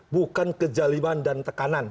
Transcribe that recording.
bukan kejaliman dan tekanan